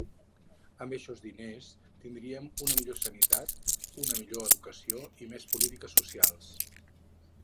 Amb eixos diners tindríem una millor sanitat, una millor educació i més polítiques socials.